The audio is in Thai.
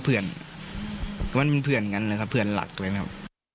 ก็เพื่อนก็มันเป็นเพื่อนกันเลยครับเพื่อนหลักเลยครับ